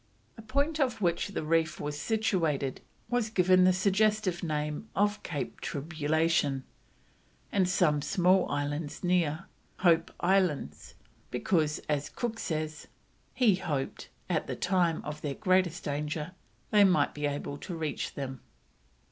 A point off which the reef was situated was given the suggestive name of Cape Tribulation, and some small islands near, Hope Islands, because, as Cook says, he hoped, at the time of their greatest danger, they might be able to reach them.